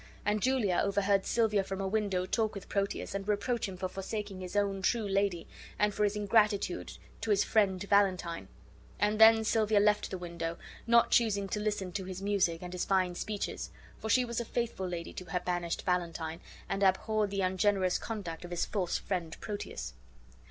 And Julia overheard Silvia from a window talk with Proteus, and reproach him for forsaking his own true lady, and for his ingratitude his friend Valentine; and then Silvia left the window, not choosing to listen to his music and his fine speeches; for she was a faithful lady to her banished Valentine, and abhorred the ungenerous conduct of his false friend, Proteus.